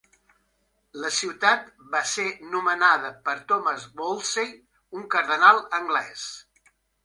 La ciutat va ser nomenada per Thomas Wolsey, un cardenal anglès.